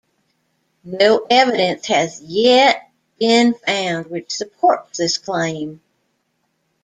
No evidence has yet been found which supports this claim.